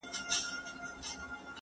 درسونه د زده کوونکي له خوا لوستل کيږي؟!